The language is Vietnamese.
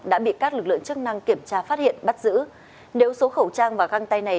đã bị các lực lượng chức năng kiểm tra phát hiện bắt giữ nếu số khẩu trang và găng tay này